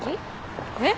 えっ？